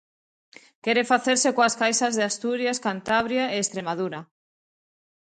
Quere facerse coas caixas de Asturias, Cantabria e Estremadura.